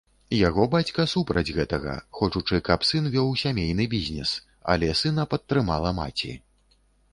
Яго бацька супраць гэтага, хочучы, каб сын вёў сямейны бізнес, але сына падтрымала маці.